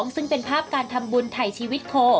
ซึ่งเป็นภาพการทำบุญไถ่ชีวิตโค